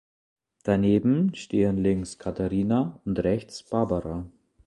Daneben stehen links Katharina und rechts Barbara.